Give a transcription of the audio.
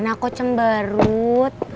rana aku cemberut